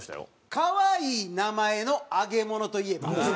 「可愛い名前の揚げ物といえば？」